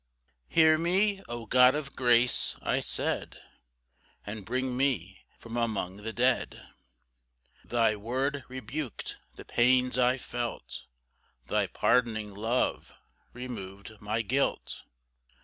4 "Hear me, O God of grace," I said, "And bring me from among the dead:" Thy word rebuk'd the pains I felt, Thy pardoning love remov'd my guilt.